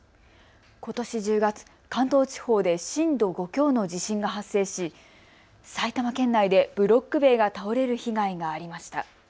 ことし１０月、関東地方で震度５強の地震が発生し埼玉県内でブロック塀が倒れる被害がありました。